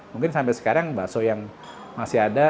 mungkin sampai sekarang bakso yang masih ada